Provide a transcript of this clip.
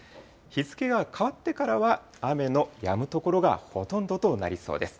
日付が変わってからは、雨のやむ所がほとんどとなりそうです。